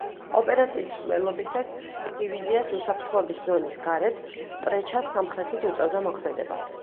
ოპერაციის მსვლელობისას დივიზიას უსაფრთხოების ზონის გარეთ, სპრეჩას სამხრეთით უწევდა მოქმედება.